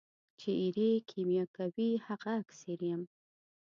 چي ایرې کېمیا کوي هغه اکسیر یم.